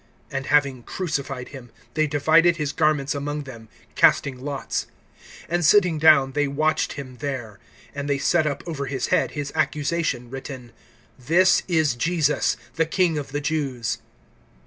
(35)And having crucified him, they divided his garments among them, casting lots. (36)And sitting down, they watched him there. (37)And they set up over his head his accusation, written: THIS IS JESUS THE KING OF THE JEWS.